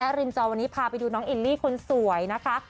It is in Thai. ริมจอวันนี้พาไปดูน้องอิลลี่คนสวยนะคะ